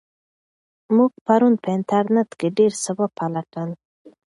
موږ پرون په انټرنیټ کې ډېر څه وپلټل.